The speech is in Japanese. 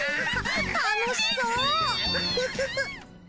楽しそう！